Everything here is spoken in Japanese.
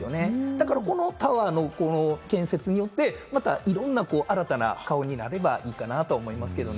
だからこのタワーの建設によって、またいろんな新たな顔になればいいかなと思いますけどね。